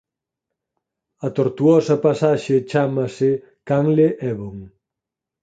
A tortuosa pasaxe chámase "Canle Ebon".